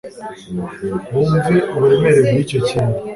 bumve uburemere bw'icyo kintu